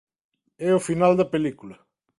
É o final da película.